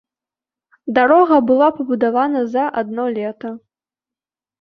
Дарога была пабудавана за адно лета.